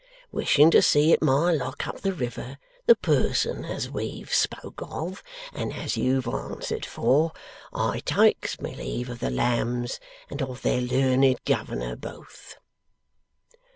Wishing to see at my Lock up the river, the person as we've spoke of, and as you've answered for, I takes my leave of the lambs and of their learned governor both.